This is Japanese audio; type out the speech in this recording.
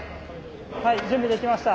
はい準備できました。